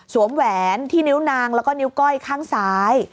แหวนที่นิ้วนางแล้วก็นิ้วก้อยข้างซ้าย